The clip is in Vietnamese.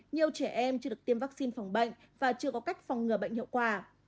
nhiều trẻ em chưa được tiêm vaccine phòng bệnh và chưa có cách phòng ngừa bệnh hiệu quả